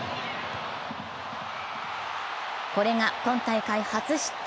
これが今大会初失点。